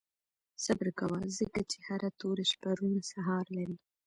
• صبر کوه، ځکه چې هره توره شپه روڼ سهار لري.